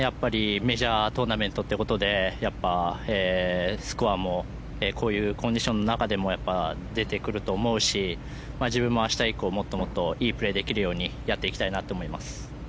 メジャートーナメントということでやっぱ、スコアもこういうコンディションの中でも出てくると思うし自分も明日以降、もっともっといいプレーをできるようにやっていきたいと思っています。